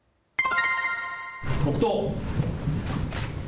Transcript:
黙とう。